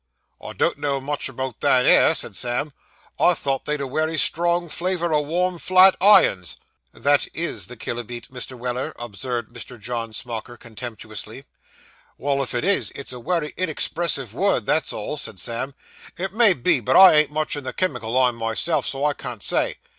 'I don't know much about that 'ere,' said Sam. 'I thought they'd a wery strong flavour o' warm flat irons.' 'That is the killibeate, Mr. Weller,' observed Mr. John Smauker contemptuously. 'Well, if it is, it's a wery inexpressive word, that's all,' said Sam. 'It may be, but I ain't much in the chimical line myself, so I can't say.